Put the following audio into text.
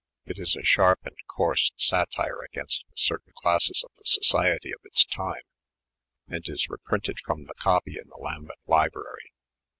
It is a sharp and coarse satire against certain classeB of the society of its time, and is reprinted from the copy in the Lambeth Library.